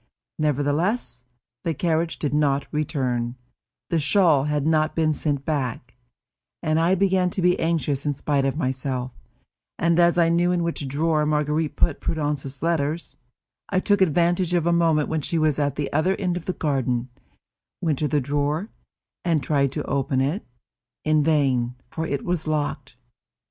Nevertheless, the carriage did not return, the shawl had not been sent back, and I began to be anxious in spite of myself, and as I knew in which drawer Marguerite put Prudence's letters, I took advantage of a moment when she was at the other end of the garden, went to the drawer, and tried to open it; in vain, for it was locked.